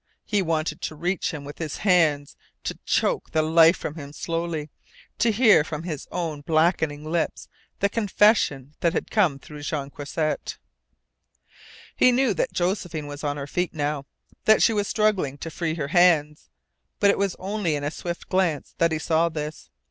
He wanted to reach him with his HANDS to choke the life from him slowly, to hear from his own blackening lips the confession that had come through Jean Croisset. He knew that Josephine was on her feet now, that she was struggling to free her hands, but it was only in a swift glance that he saw this.